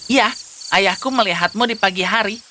ya ayahku melihatmu di pagi hari